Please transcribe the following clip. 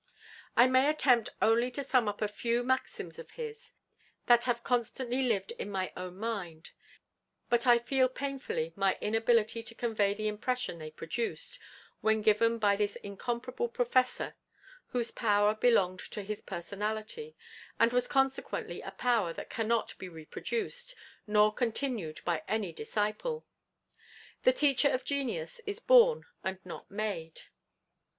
I may attempt only to sum up a few maxims of his, that have constantly lived in my own mind: but I feel painfully my inability to convey the impression they produced when given by this incomparable Professor; whose power belonged to his personality; and was consequently a power that cannot be reproduced, nor continued by any disciple. The Teacher of genius is born and not made.